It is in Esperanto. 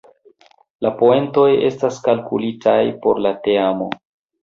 La poentoj estas kalkulitaj por la teamo.